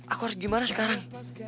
aku harus gimana sekarang